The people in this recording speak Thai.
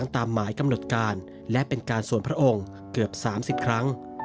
ตามหมายกำหนดการและเป็นการสวนพระองค์เกือบ๓๐ครั้ง